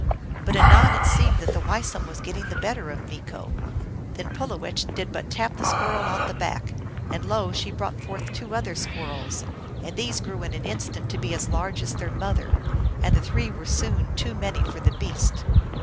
But anon it seemed that the Weisum was getting the better of Meeko. Then Pulowech did but tap the squirrel on the back, when lo ! she brought forth two other squirrels, and these grew in an instant to be as large as their mother, and the three were soon too many for the beast.